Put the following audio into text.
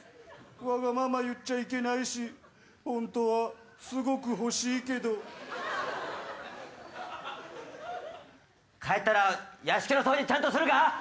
わがまま言っちゃいけないしホントはすごく欲しいけど帰ったら屋敷の掃除ちゃんとするか？